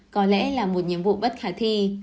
có lẽ là một nhiệm vụ bất khả thi